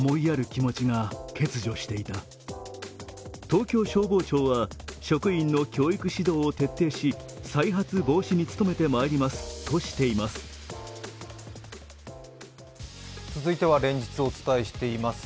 東京消防庁は職員の教育指導を徹底し、再発防止に努めてまいりますとしています。